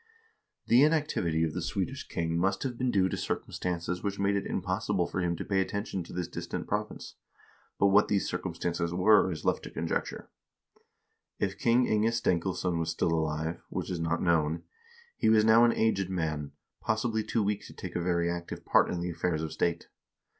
The inactivity of the Swedish king must have been due to circumstances which made it impossible for him to pay attention to this distant province, but what these circumstances were is left to conjecture. If King Inge Stenkilsson was still alive, which is not known, he was now an aged man, possibly too weak to take a very active part in the affairs of state.